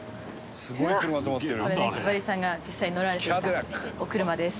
これねひばりさんが実際に乗られていたお車です。